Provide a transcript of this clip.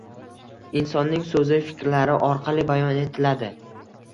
Insonning so‘zi, fikrlari orqali bayon etiladi.